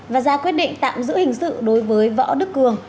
và ra quyết định tạm giữ hình sự đối với võ đức cường